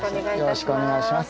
よろしくお願いします